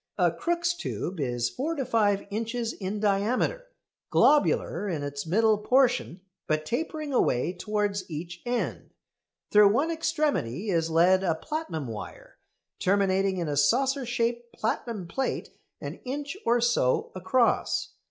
A Crookes' tube is four to five inches in diameter, globular in its middle portion, but tapering away towards each end. Through one extremity is led a platinum wire, terminating in a saucer shaped platinum plate an inch or so across.